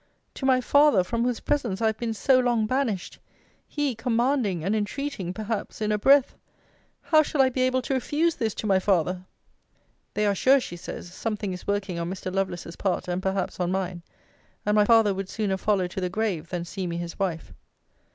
To my father, from whose presence I have been so long banished! He commanding and entreating, perhaps, in a breath! How shall I be able to refuse this to my father? They are sure, she says, something is working on Mr. Lovelace's part, and perhaps on mine: and my father would sooner follow to the grave, than see me his wife.